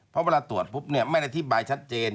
เพราะเวลาตรวจปุ๊บเนี่ยไม่ได้อธิบายชัดเจน